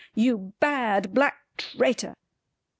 You bad black traitor!"